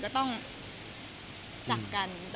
ขอบคุณจริงครับ